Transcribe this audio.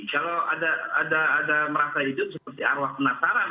kalau ada merasa hidup seperti arwah penataran